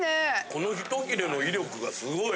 この一切れの威力がすごい。